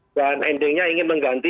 dan endingnya ingin mengganti